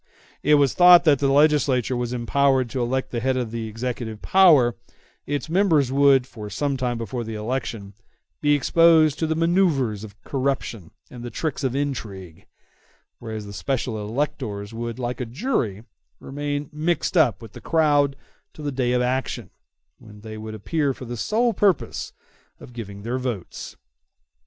It was thought that if the legislature was empowered to elect the head of the executive power, its members would, for some time before the election, be exposed to the manoeuvres of corruption and the tricks of intrigue; whereas the special electors would, like a jury, remain mixed up with the crowd till the day of action, when they would appear for the sole purpose of giving their votes.